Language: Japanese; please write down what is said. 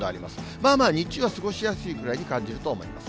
まあまあ日中は過ごしやすいくらいに感じると思います。